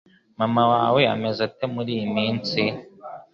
Mama wawe ameze ate muriyi minsi?